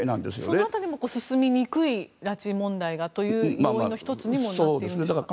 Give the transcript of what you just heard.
その辺りも進みにくい拉致被害がという要因の１つにもなっているんでしょうか。